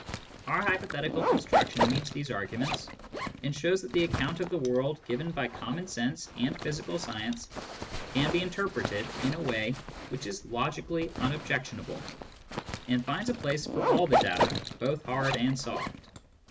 Our hypothetical construction meets these arguments, and shows that the account of the world given by common sense and physical science can be interpreted in a way which is logically unobjectionable, and finds a place for all the data, both hard and soft.